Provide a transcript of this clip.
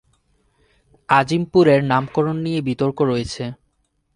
আজিমপুর এর নামকরণ নিয়ে বিতর্ক আছে।